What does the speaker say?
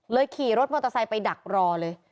ขี่รถมอเตอร์ไซค์ไปดักรอเลย